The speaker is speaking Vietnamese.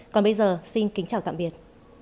còn bây giờ xin kính chào tạm biệt